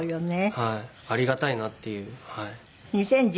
ありがたいなっていうはい。